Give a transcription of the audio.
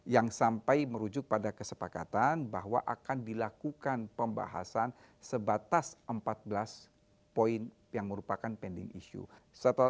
yang sampai merujuk pada kesepakatan bahwa akan dilakukan pembahasan sebatas empat belas poin yang merupakan pending issue